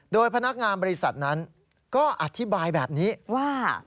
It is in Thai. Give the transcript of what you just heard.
โดยพนักงานบริษัทนั้นก็อธิบายแบบนี้ว่า